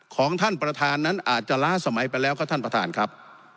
ของท่านประธานนั้นอาจจะล้าสมัยไปแล้วครับท่านประธานครับ